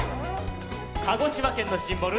鹿児島県のシンボル